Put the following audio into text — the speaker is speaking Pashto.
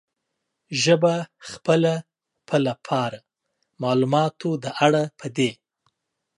ژبه خپله په لپاره، معلوماتو د اړه پدې